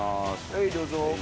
はいどうぞ。